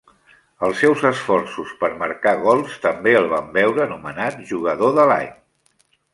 Els seus esforços per marcar gols també el van veure nomenat Jugador de l'Any.